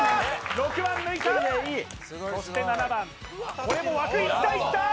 ６番抜いたそして７番これも枠いったいった！